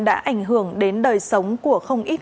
đã ảnh hưởng đến đời sống của không ít